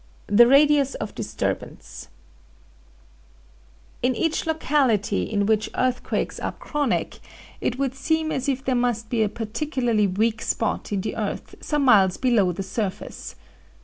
THE RADIUS OF DISTURBANCE. "In each locality in which earthquakes are chronic it would seem as if there must be a particularly weak spot in the earth some miles below the surface.